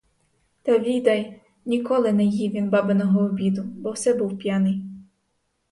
Та, відай, ніколи не їв він бабиного обіду, бо все був п'яний.